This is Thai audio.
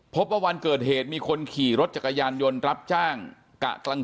พบว่าวันเกิดเหตุมีคนขี่รถจักรยานยนต์รับจ้างกะกลาง